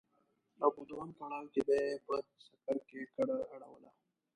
او په دوهم پړاو به يې په سکر کې کډه اړوله.